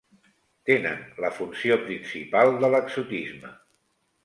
Tenen la funció principal de l'exotisme: